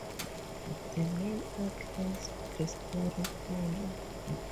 The main outlines of the story follow.